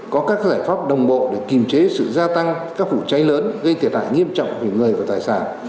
có các giải pháp đồng bộ để kiềm chế sự gia tăng các vụ cháy lớn gây thiệt hại nghiêm trọng về người và tài sản